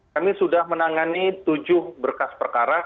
kami sudah menangani tujuh berkas perkara